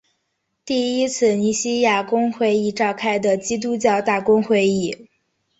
第一次尼西亚公会议召开的基督教大公会议。